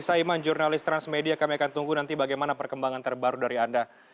saiman jurnalis transmedia kami akan tunggu nanti bagaimana perkembangan terbaru dari anda